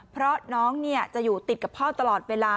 เพราะน้องจะอยู่ติดกับพ่อตลอดเวลา